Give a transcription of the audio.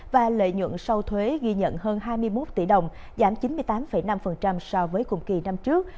và lợi nhuận sau thuế ghi nhận hơn hai mươi một tỷ đồng giảm chín mươi tám năm so với cùng kỳ năm trước